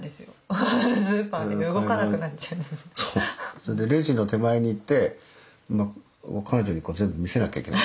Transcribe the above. それでレジの手前に行って彼女に全部見せなきゃいけない。